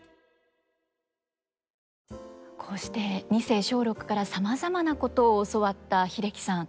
こうして二世松緑からさまざまなことを教わった英樹さん。